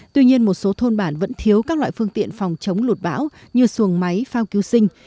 tuy nhiên một số thôn bản vẫn thiếu các loại phương tiện phòng chống lụt bão như xuồng máy phao cứu sinh